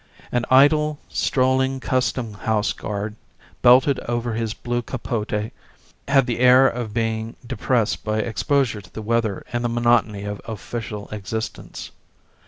An idle, strolling custom house guard, belted over his blue capote, had the air of being depressed by exposure to the weather and the monotony of official existence.